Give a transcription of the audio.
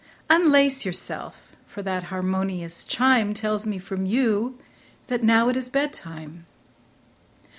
Unlace yourself, for that harmonious chime Tells me from you that now it is bed time.